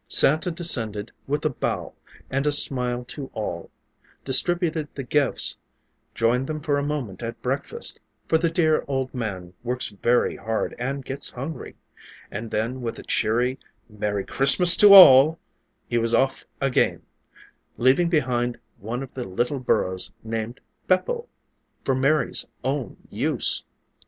Santa descended with a bow and a smile to all, distributed the gifts, joined them for a moment at breakfast, for the dear old man works very hard and gets hungry, and then with a cheery, "Merry Christmas to all," he was off again, leaving behind one of the little burros named Bepo, for Mary's own use.